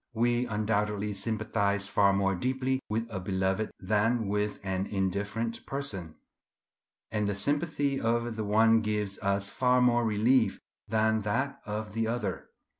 We undoubtedly sympathize far more deeply with a beloved than with an indifferent person; and the sympathy of the one gives us far more relief than that of the other.